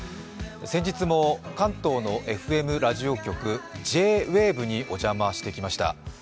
先日も関東のＦＭラジオ局、Ｊ−ＷＡＶＥにお邪魔してきました。